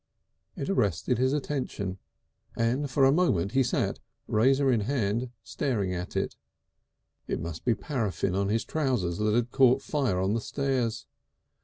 It arrested his attention, and for a moment he sat, razor in hand, staring at it. It must be paraffine on his trousers that had caught fire on the stairs.